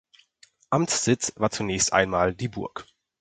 Amtssitz war zunächst einmal die Burg.